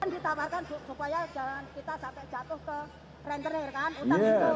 ditawarkan supaya jangan kita sampai jatuh ke rentenir kan